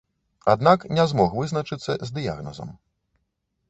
Аднак не змог вызначыцца з дыягназам.